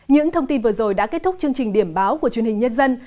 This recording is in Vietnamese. những thông tin vừa rồi đã kết thúc chương trình điểm báo của truyền hình nhân dân